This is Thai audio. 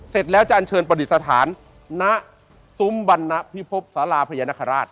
เสร็จแล้วจะอันเชิญประดิษฐานณซุ้มบรรณพิพบศาลาพญานคราช